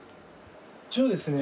一応ですね